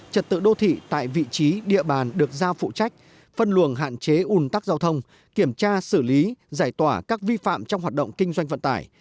trật tự đô thị tại vị trí địa bàn được giao phụ trách phân luồng hạn chế ủn tắc giao thông kiểm tra xử lý giải tỏa các vi phạm trong hoạt động kinh doanh vận tải